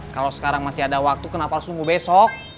kalo sekarang masih ada waktu kenapa harus tunggu besok